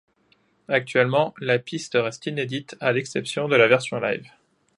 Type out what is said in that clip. Actuellement, la piste reste inédite à l'exception de la version live.